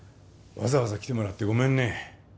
わざわざ来てもらってごめんね